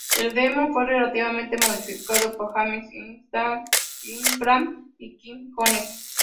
El "demo" fue relativamente modificado por James Ingram y Quincy Jones.